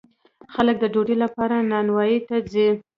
خلک د ډوډۍ لپاره نانواییو ته ځي.